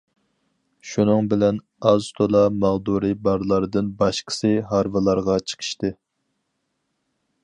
شۇنىڭ بىلەن ئاز-تولا ماغدۇرى بارلاردىن باشقىسى ھارۋىلارغا چىقىشتى.